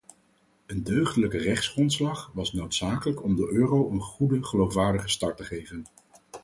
Een deugdelijke rechtsgrondslag was noodzakelijk om de euro een goede, geloofwaardige start te geven.